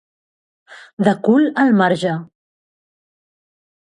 De cul al marge.